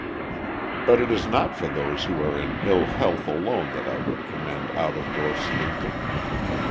But it is not for those who are in ill health alone that I would commend out of door sleeping.